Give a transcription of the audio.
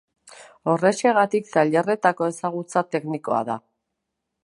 Horrexegatik, tailerretako ezagutza teknikoa da.